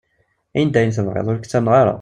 Ini-d ayen tebɣiḍ, ur k-ttamneɣ ara.